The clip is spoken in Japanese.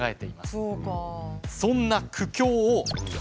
そんな苦境を。